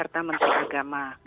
dan menteri agama